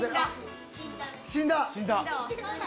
死んだね。